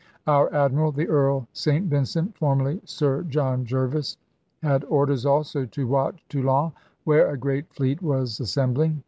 Our Admiral, the Earl St Vincent, formerly Sir John Jervis, had orders also to watch Toulon, where a great fleet was assembling.